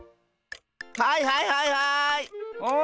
はいはいはいはい！